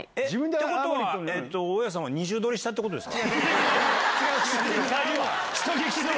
ってことは、大家さんは二重取りしたということですか？